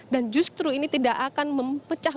dan justru ini tidak akan mempecah